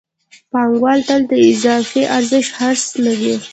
پانګوال تل د اضافي ارزښت حرص لري